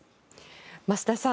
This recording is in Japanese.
増田さん